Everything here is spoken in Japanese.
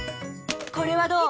これはどう？